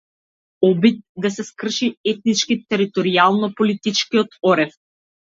Обид да се скрши етнички територијално политичкиот орев.